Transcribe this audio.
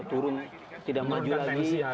turun tidak maju lagi